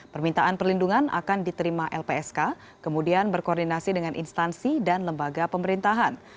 permintaan perlindungan akan diterima lpsk kemudian berkoordinasi dengan instansi dan lembaga pemerintahan